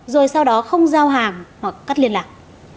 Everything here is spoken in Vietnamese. rồi sau đó không giao hàng hoặc cắt liên lạc